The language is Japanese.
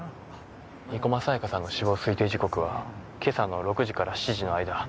生駒沙耶香さんの死亡推定時刻は今朝の６時から７時の間。